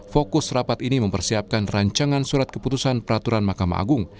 fokus rapat ini mempersiapkan rancangan surat keputusan peraturan mahkamah agung